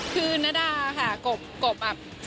คือนาดาค่ะกบอับ